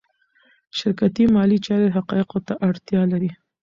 شرکتي مالي چارې حقایقو ته اړتیا لري.